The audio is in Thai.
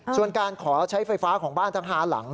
ส่วนการขอใช้ไฟฟ้าของบ้านทั้ง๕หลัง